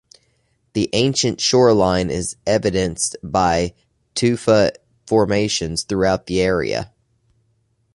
The ancient shoreline is evidenced by tufa formations throughout the area.